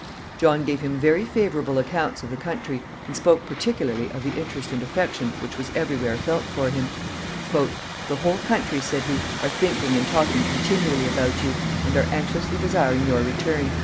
John gave him very favorable accounts of the country, and spoke particularly of the interest and affection which was every where felt for him. "The whole country," said he, "are thinking and talking continually about you, and are anxiously desiring your return.